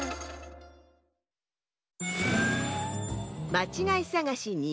まちがいさがし２